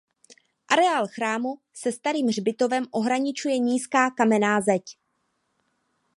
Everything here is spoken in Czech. Areál chrámu se starým hřbitovem ohraničuje nízká kamenná zeď.